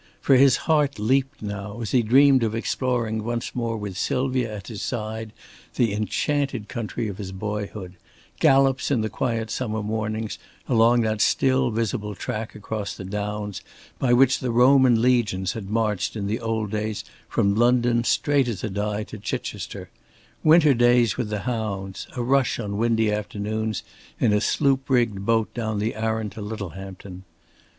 For his heart leaped now, as he dreamed of exploring once more with Sylvia at his side the enchanted country of his boyhood; gallops in the quiet summer mornings along that still visible track across the downs, by which the Roman legions had marched in the old days from London straight as a die to Chichester; winter days with the hounds; a rush on windy afternoons in a sloop rigged boat down the Arun to Littlehampton.